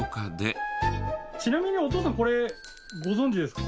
ちなみにお父さんこれご存じですか？